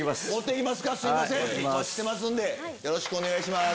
お待ちしてますんでよろしくお願いします。